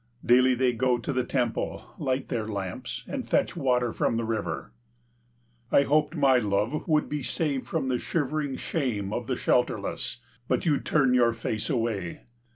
Daily they go to the temple, light their lamps, and fetch water from the river. I hoped my love would be saved from the shivering shame of the shelterless, but you turn your face away.